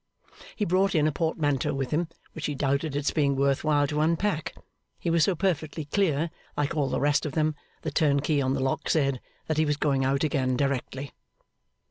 He brought in a portmanteau with him, which he doubted its being worth while to unpack; he was so perfectly clear like all the rest of them, the turnkey on the lock said that he was going out again directly.